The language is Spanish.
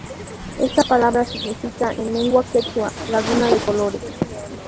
Esta palabra significa en lengua quechua: laguna de colores.